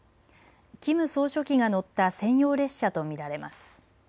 キム総書記が乗った専用列車と見られます。